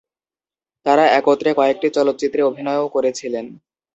তারা একত্রে কয়েকটি চলচ্চিত্রে অভিনয়ও করেছিলেন।